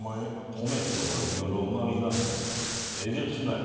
米と和牛の旨みがもうえげつない。